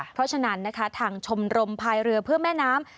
เพราะฉะนั้นนะคะทางชมรมภายเรือเพื่อแม่น้ำ